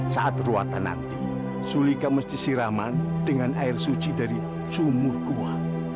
saat ruatan nanti sulika mesti siraman dengan air suci dari sumur gua